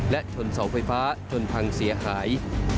และชนเสาไฟฟ้าจนพังเสียหาย